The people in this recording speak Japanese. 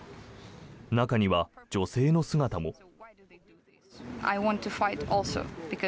中には、女性の姿も。